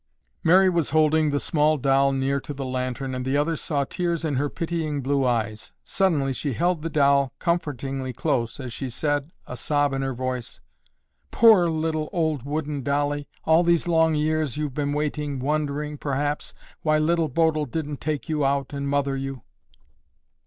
Mary was holding the small doll near to the lantern and the others saw tears in her pitying blue eyes. Suddenly she held the doll comfortingly close as she said, a sob in her voice, "Poor little old wooden dollie, all these long years you've been waiting, wondering, perhaps, why Little Bodil didn't take you out and mother you."